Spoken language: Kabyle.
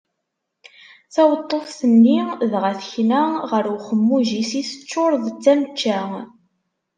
Taweṭṭuft-nni dɣa tekna, ɣer uxemmuj-is i teččur d tamečča.